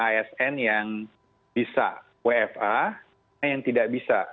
asn yang bisa wfa yang tidak bisa